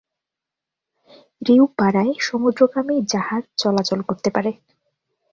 রিউ পারায় সমুদ্রগামী জাহাজ চলাচল করতে পারে।